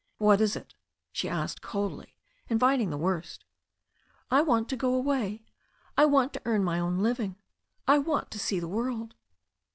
"What is it?" she asked coldly, inviting the worst. "I want to go away. I want to earn my own living. I want to see the world."